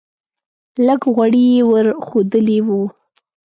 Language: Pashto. لږ غوړي یې ور ښودلی و.